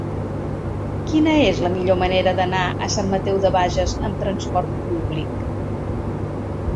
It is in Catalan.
Quina és la millor manera d'anar a Sant Mateu de Bages amb trasport públic?